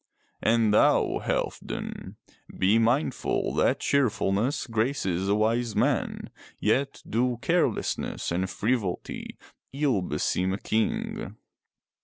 And thou, Halfdan, be mindful that cheerfulness graces a wise man, yet do carelessness and frivolity ill beseem a King."